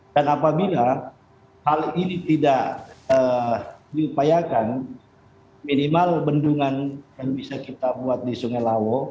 dan apabila hal ini tidak diupayakan minimal bendungan yang bisa kita buat di sokping